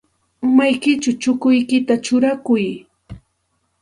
Umaykićhaw chukuykita churaykuy.